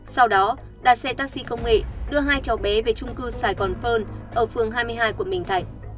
sau đó đặt xe taxi công nghệ đưa hai cháu bé về trung cư saigon pearl ở phường hai mươi hai quận bình thạnh